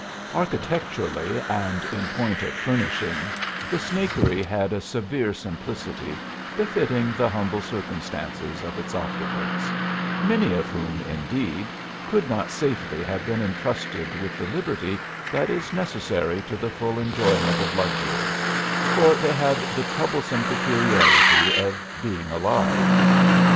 Architecturally and in point of "furnishing" the Snakery had a severe simplicity befitting the humble circumstances of its occupants, many of whom, indeed, could not safely have been intrusted with the liberty that is necessary to the full enjoyment of luxury, for they had the troublesome peculiarity of being alive.